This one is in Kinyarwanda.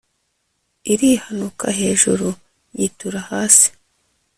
irihanuka hejuru yitura hasi